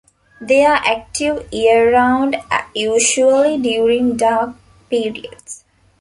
They are active year-round, usually during dark periods.